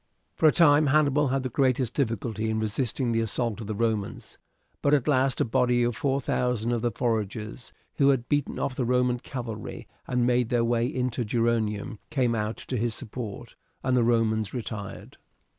For a time Hannibal had the greatest difficulty in resisting the assault of the Romans; but at last a body of four thousand of the foragers, who had beaten off the Roman cavalry and made their way into Geronium, came out to his support, and the Romans retired.